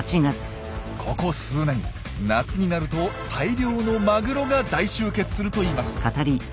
ここ数年夏になると大量のマグロが大集結するといいます。